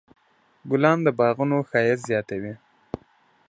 ګلان د باغونو ښایست زیاتوي.